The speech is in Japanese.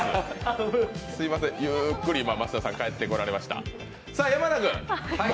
ゆっくり増田さん帰ってこられました。